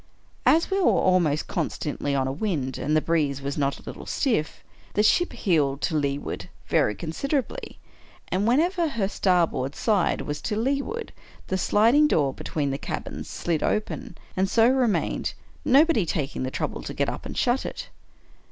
As we were almost constantly on a wind, and the breeze was not a little stiff, the ship heeled to leeward very considerably; and whenever her starboard side was to leeward, the sliding door between the cabins slid open, and so remained, no body taking the trouble to get up and shut it.